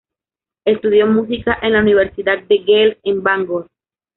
Estudió música en la Universidad de Gales, en Bangor.